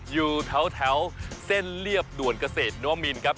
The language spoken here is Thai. อยู่แถวเส้นเรียบด่วนเกษตรนวมินครับ